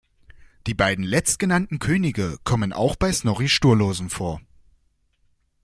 Die beiden letztgenannten Könige kommen auch bei Snorri Sturluson vor.